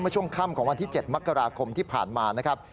ช่วงค่ำของวันที่๗มกราคมที่ผ่านมานะครับ